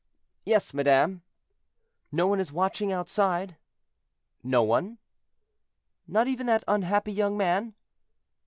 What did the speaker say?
"Yes, madame." "No one is watching outside?" "No one." "Not even that unhappy young man?"